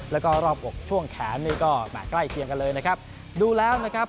๖๒๖๓๖และก็รอบ๖ช่วงแขนเนี่ยก็มาใกล้เทียงกันเลยนะครับ